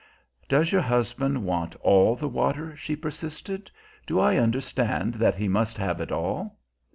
"Does your husband want all the water?" she persisted. "Do I understand that he must have it all?"